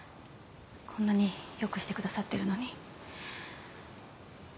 こんなによくしてくださってるのに。